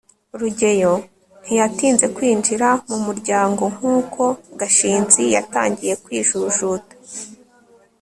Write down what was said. rugeyo ntiyatinze kwinjira mumuryango nkuko gashinzi yatangiye kwijujuta